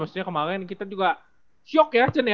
maksudnya kemarin kita juga shock ya cen ya